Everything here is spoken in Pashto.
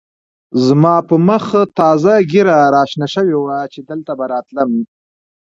زما په مخ تازه ږېره را شنه شوې وه چې دلته به راتلم.